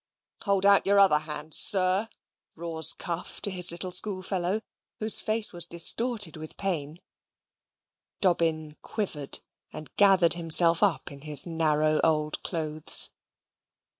"Hold out your other hand, sir," roars Cuff to his little schoolfellow, whose face was distorted with pain. Dobbin quivered, and gathered himself up in his narrow old clothes.